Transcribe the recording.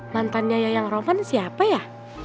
mantannya yang roman siapa ya